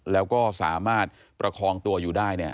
แล้วก็สามารถประคองตัวอยู่ได้เนี่ย